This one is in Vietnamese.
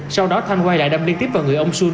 sau đó thanh quay lại đâm liên tiếp vào người ông xuân